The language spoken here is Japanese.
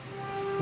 何？